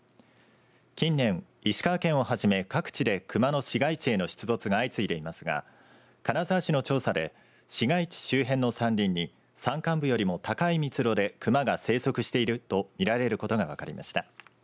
近年、石川県をはじめ各地でクマの市街地への出没が相次いでいますが金沢市の調査で市街地周辺の山林に山間部よりも高い密度でクマが生息していると見られることが分かりました。